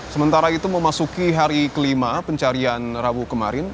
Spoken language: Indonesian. sementara itu memasuki hari kelima pencarian rabu kemarin